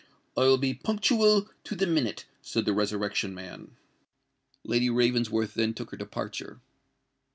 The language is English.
"I will be punctual to the minute," said the Resurrection Man. Lady Ravensworth then took her departure.